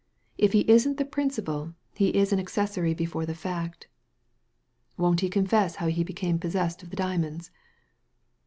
If he isn't the principal, he is an accessory before the fact" "Won't he confess how he became possessed of the diamonds